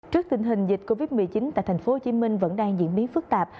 trước tình hình dịch covid một mươi chín tại tp hcm vẫn đang diễn biến phức tạp